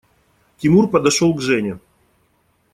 Тимур подошел к Жене.